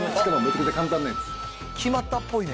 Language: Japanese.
決まったっぽいね。